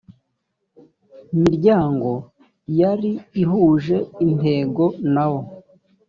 miryango yari ihuje intego nawo